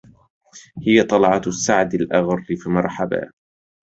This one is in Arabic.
هي طلعة السعد الأغر فمرحبا